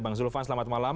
bang zulfan selamat malam